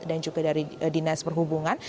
dan juga dari dinas perhubungan